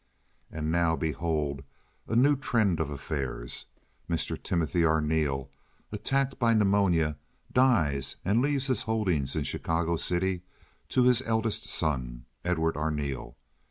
And now behold a new trend of affairs. Mr. Timothy Arneel, attacked by pneumonia, dies and leaves his holdings in Chicago City to his eldest son, Edward Arneel.